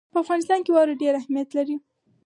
په افغانستان کې واوره ډېر اهمیت لري.